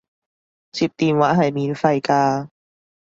接電話係免費㗎